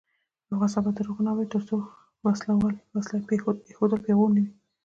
افغانستان تر هغو نه ابادیږي، ترڅو وسله ایښودل پیغور نه وي.